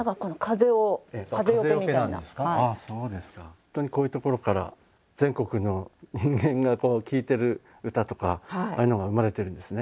本当にこういう所から全国の人間が聴いてる歌とかああいうのが生まれてるんですね。